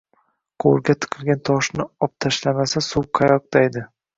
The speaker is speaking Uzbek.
Quvurga tiqilgan toshni obtashlamasa suv qayoqdaydi.